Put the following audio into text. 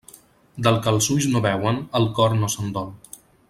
Del que els ulls no veuen, el cor no se'n dol.